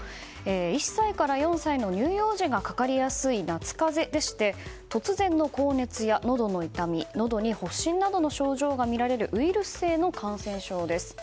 １歳から４歳の乳幼児がかかりやすい夏風邪でして突然の高熱や、のどの痛みのどに発疹などの症状が見られるウイルス性の感染症です。